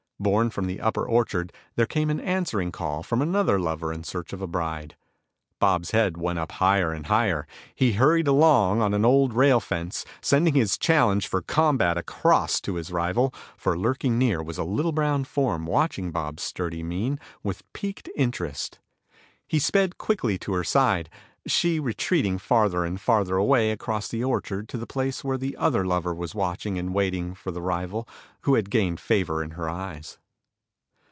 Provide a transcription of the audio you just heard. Borne from the upper orchard there came an answering call from another lover in search of a bride. Bob's head went up higher and higher; he hurried along on an old rail fence, sending his challenge for combat across to his rival, for lurking near was a little brown form watching Bob's sturdy mien with piqued interest. He sped quickly to her side, she retreating farther and farther away across the orchard to the place where the other lover was watching and waiting for the rival who had gained favor in her eyes.